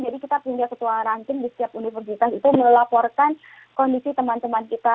jadi kita punya ketua rangking di setiap universitas itu melaporkan kondisi teman teman kita